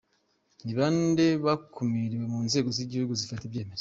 – Ni bande bakumirirwe mu nzego z’igihugu zifata ibyemezo?